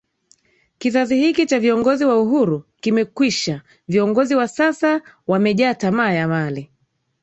Kizazi hiki cha viongozi wa Uhuru kimekwisha Viongozi wa sasa wamejaa tamaa ya mali